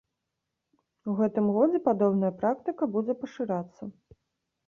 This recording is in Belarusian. У гэтым годзе падобная практыка будзе пашырацца.